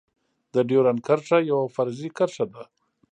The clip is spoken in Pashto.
د ډيورند کرښه يوه فرضي کرښه ده.